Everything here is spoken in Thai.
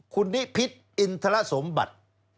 คุณนิพิษอินทรสมบัติ